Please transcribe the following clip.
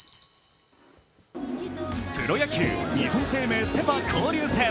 プロ野球、日本生命セ・パ交流戦。